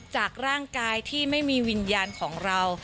จากร่างกายที่ไม่มีวิญญาณของเรา